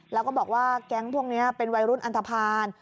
แล้วก็บอกว่าแก๊งพวกนี้เป็นวัยรุ่นอันทภาณ